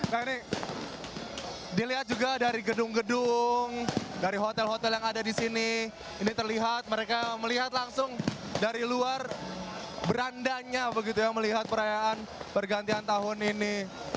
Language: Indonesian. nah ini dilihat juga dari gedung gedung dari hotel hotel yang ada di sini ini terlihat mereka melihat langsung dari luar berandanya begitu ya melihat perayaan pergantian tahun ini